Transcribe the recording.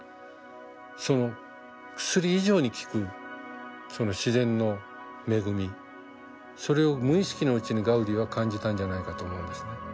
その薬以上に効くその自然の恵みそれを無意識のうちにガウディは感じたんじゃないかと思うんですね。